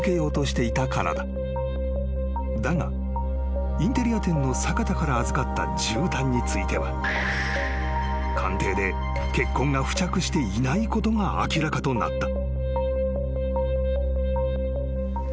［だがインテリア店の坂田から預かったじゅうたんについては鑑定で血痕が付着していないことが明らかとなった］